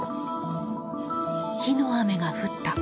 火の雨が降った。